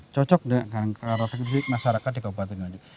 cocok dengan karakteristik masyarakat di kabupaten nganjuk